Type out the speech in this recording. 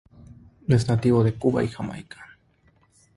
Es nativo de Cuba y Jamaica.